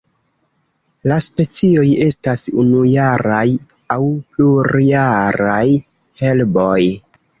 La specioj estas unujaraj aŭ plurjaraj herboj.